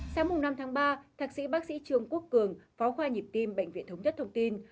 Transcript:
sáng năm tháng ba thạc sĩ bác sĩ trương quốc cường phó khoa nhịp tim bệnh viện thống nhất thông tin